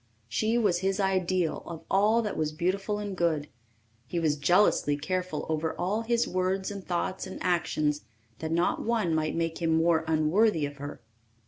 She was his ideal of all that was beautiful and good; he was jealously careful over all his words and thoughts and actions that not one might make him more unworthy of her.